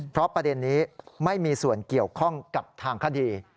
เพราะประเด็นนี้ไม่มีส่วนเกี่ยวข้องกับทางคดี